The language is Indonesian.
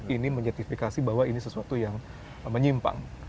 ini menyertifikasi bahwa ini sesuatu yang menyimpang